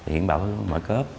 hiển bảo mở cớp